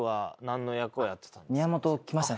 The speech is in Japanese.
宮本来ましたね。